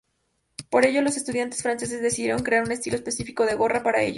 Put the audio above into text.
Por ello los estudiantes franceses decidieron crear un estilo específico de gorra para ellos.